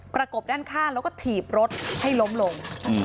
กบด้านข้างแล้วก็ถีบรถให้ล้มลง